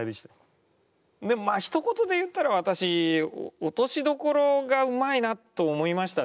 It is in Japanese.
でもまあひと言で言ったら私落としどころがうまいなと思いましたね。